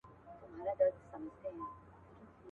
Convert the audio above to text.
له ګودره یمه ستړی له پېزوانه یمه ستړی.